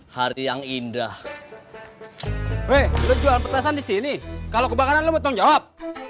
hari yang indah weh jual petasan di sini kalau kebakaran lo mau jawab